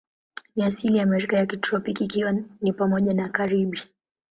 Ni asili ya Amerika ya kitropiki, ikiwa ni pamoja na Karibi.